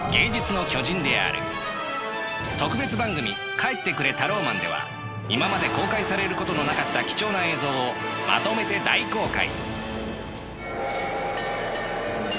「帰ってくれタローマン」では今まで公開されることのなかった貴重な映像をまとめて大公開。